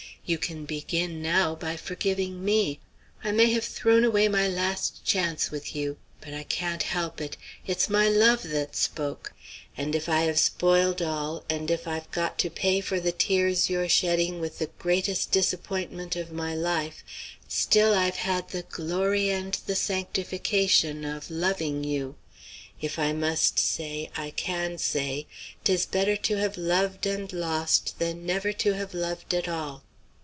You can begin, now, by forgiving me. I may have thrown away my last chance with you, but I can't help it; it's my love that spoke. And if I have spoiled all and if I've got to pay for the tears you're shedding with the greatest disappointment of my life, still I've had the glory and the sanctification of loving you. If I must say, I can say, ''Tis better to have loved and lost Than never to have loved at all.'